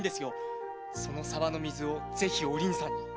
その沢の水をぜひお凛さんに。